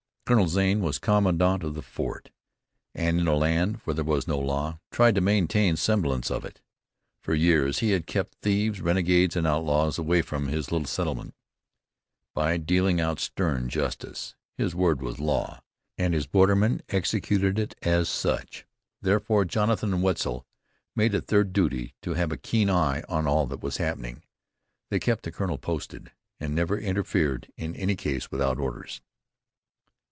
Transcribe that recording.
Colonel Zane was commandant of the fort, and, in a land where there was no law, tried to maintain a semblance of it. For years he had kept thieves, renegades and outlaws away from his little settlement by dealing out stern justice. His word was law, and his bordermen executed it as such. Therefore Jonathan and Wetzel made it their duty to have a keen eye on all that was happening. They kept the colonel posted, and never interfered in any case without orders.